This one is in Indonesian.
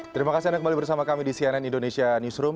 terima kasih anda kembali bersama kami di cnn indonesia newsroom